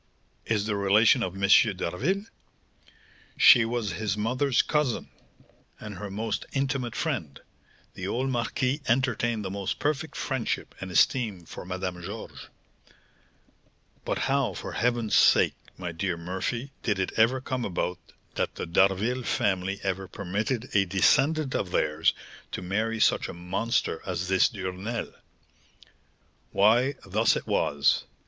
"Is the relation of M. d'Harville?" "She was his mother's cousin, and her most intimate friend; the old marquis entertained the most perfect friendship and esteem for Madame Georges." "But how, for heaven's sake, my dear Murphy, did it ever come about that the D'Harville family ever permitted a descendant of theirs to marry such a monster as this Duresnel?" "Why, thus it was.